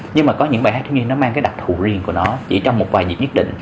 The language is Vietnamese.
nhưng mà có những bài hát thiếu nhiên nó mang cái đặc thù riêng của nó chỉ trong một vài dịp nhất định